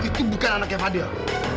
itu bukan anaknya fadil